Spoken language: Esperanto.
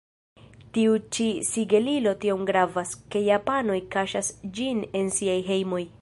Tiu ĉi sigelilo tiom gravas, ke japanoj kaŝas ĝin en siaj hejmoj.